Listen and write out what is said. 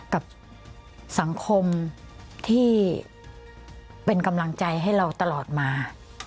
กับสังคมที่เป็นกำลังใจให้เราตลอดมา